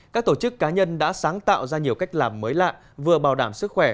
các tổ chức cá nhân đã sáng tạo ra nhiều cách làm mới lạ vừa bảo đảm sức khỏe